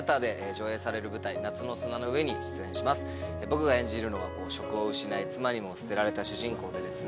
僕が演じるのは職を失い妻にも捨てられた主人公です。